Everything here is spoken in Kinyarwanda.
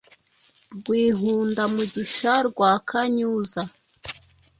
Rwihunda-mugisha rwa Kanyuza